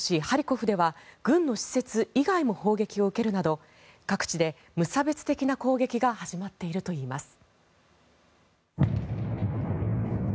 ハリコフでは軍の施設以外も砲撃を受けるなど各地で無差別的な攻撃が始まっているといいます。